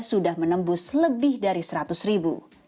sudah menembus lebih dari seratus ribu